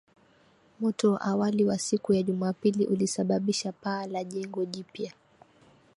Moto wa awali wa siku ya Jumapili ulisababisha paa la jengo jipya